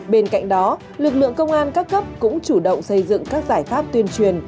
bên cạnh đó lực lượng công an các cấp cũng chủ động xây dựng các giải pháp tuyên truyền